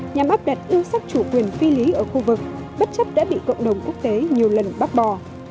nhằm áp đặt ưu sắc chủ quyền phi lý ở khu vực bất chấp đã bị cộng đồng quốc tế nhiều lần bác bỏ